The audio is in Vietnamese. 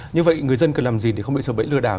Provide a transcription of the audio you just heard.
như vậy người dân cần làm gì để không bị sợ bẫy lừa đảo